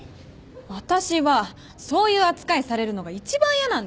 私はそういう扱いされるのが一番嫌なんです。